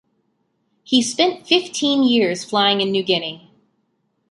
He spent fifteen years flying in New Guinea.